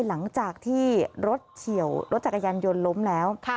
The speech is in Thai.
หลังจากที่รถเฉียวรถจักรยานยนต์ล้มแล้ว